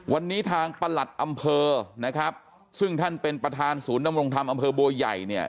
วันนี้ทางประหลัดอำเภอนะครับซึ่งท่านเป็นประธานศูนย์ดำรงธรรมอำเภอบัวใหญ่เนี่ย